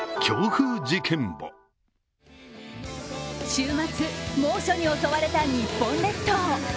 週末、猛暑に襲われた日本列島。